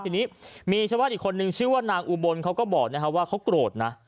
ทีนี้มีชาวบ้านอีกคนนึงชื่อว่านางอุบลเขาก็บอกว่าเขาโกรธนะ